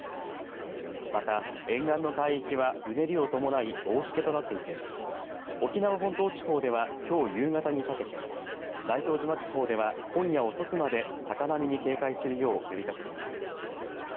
また、沿岸の海域はうねりを伴い大しけとなっていて沖縄本島地方ではきょう夕方にかけて大東島地方では今夜遅くまで高波に警戒するよう呼びかけています。